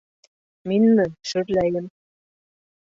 — Минме шөрләйем?!